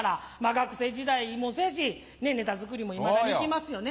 学生時代もそうやしネタ作りもいまだに行きますよね。